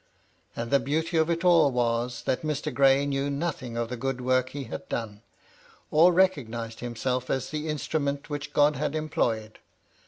And the beauty of it all was, that Mr. Gray knew nothing of the good work he had done, or recognised himself as the instrument which God had employed.